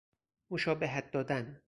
مشابهت دادن